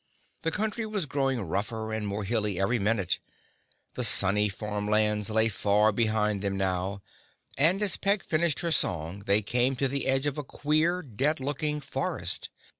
The country was growing rougher and more hilly every minute. The sunny farmlands lay far behind them now and as Peg finished her song they came to the edge of a queer, dead looking forest.